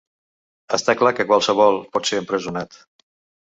Està clar que qualsevol pot ser empresonat.